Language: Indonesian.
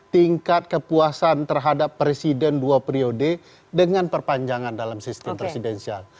tingkat kepuasan terhadap presiden dua periode dengan perpanjangan dalam sistem presidensial